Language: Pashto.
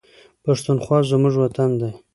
پښتونخوا زموږ وطن دی